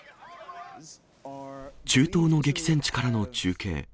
中東の激戦地からの中継。